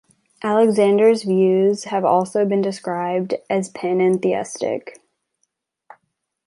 Alexander's views have also been described as panentheistic.